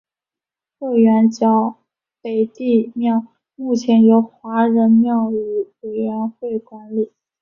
鹤园角北帝庙目前由华人庙宇委员会管理。